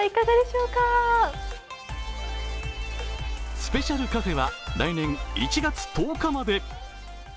スペシャルカフェは来年１月１０日まで。